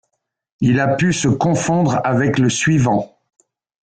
Il a pu se confondre avec le suivant.